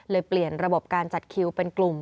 เปลี่ยนระบบการจัดคิวเป็นกลุ่ม